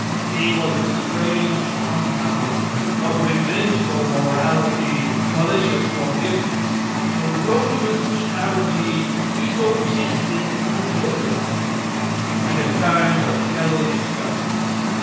He was a strange compound of revengeful morality, malicious forgiveness, ferocious charity, egotistic humility, and a kind of hellish justice.